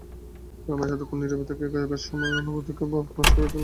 রমেশও এতক্ষণ নীরবে থাকিয়া, যাইবার সময় অন্নদাবাবুকে নমস্কার করিয়া চলিয়া গেল।